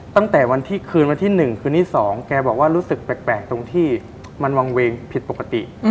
ตั้งแต่วันที่คืนวันที่๑คืนที่๒แกบอกว่ารู้สึกแปลกตรงที่มันวางเวงผิดปกติ